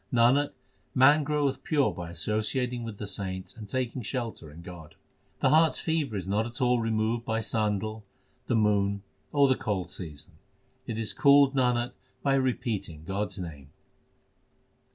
Nanak, man groweth pure by associating with the saints and taking shelter in God. The heart s fever is not at all removed by sandal, the moon, or the cold season ; It is cooled, Nanak, by repeating God s name.